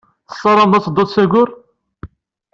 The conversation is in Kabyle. Tessaramed ad teddud s Ayyur.